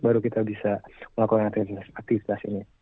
baru kita bisa melakukan aktivitas ini